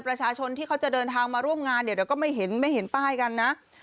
ประชาชนที่เขาจะเดินทางมาร่วมงานเนี่ยเดี๋ยวก็ไม่เห็นไม่เห็นป้ายกันนะ